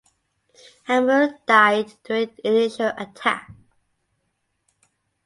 Hammerl died during the initial attack.